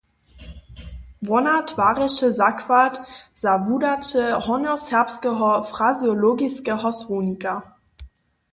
Wona tworješe zakład za wudaće Hornjoserbskeho frazeologiskeho słownika.